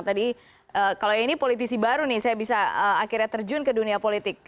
tadi kalau ini politisi baru nih saya bisa akhirnya terjun ke dunia politik